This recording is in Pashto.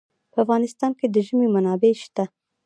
په افغانستان کې د ژمی منابع شته.